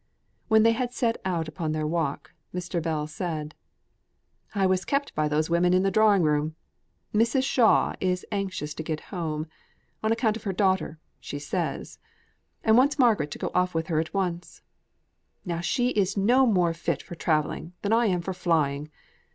When they had set out upon their walk, Mr. Bell said: "I was kept by those women in the drawing room. Mrs. Shaw is anxious to get home on account of her daughter, she says and wants Margaret to go off with her at once. Now she is no more fit for travelling than I am for flying.